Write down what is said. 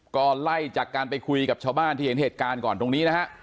ก็ไล่จากการไปคุยกับชาวบ้านที่เห็นเหตุการณ์ก่อนตรงนี้นะฮะ